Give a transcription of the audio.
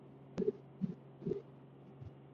由于接受到丹顿的发的电波而向地球开始侵略。